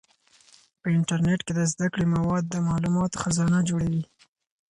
په انټرنیټ کې د زده کړې مواد د معلوماتو خزانه جوړوي.